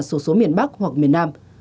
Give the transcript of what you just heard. số số miễn bản